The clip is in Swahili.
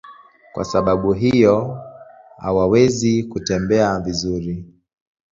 Kwa sababu hiyo hawawezi kutembea vizuri.